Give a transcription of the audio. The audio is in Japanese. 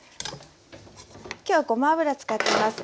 今日はごま油使ってます。